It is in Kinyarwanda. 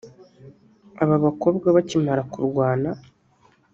Aba bakobwa bakimara kurwana